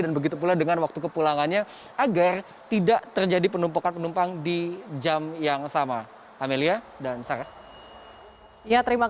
dan begitu pula dengan waktu kepulangannya agar tidak terjadi penumpukan penumpang di jam yang sama